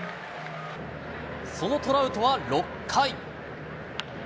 そのトラウトは６回。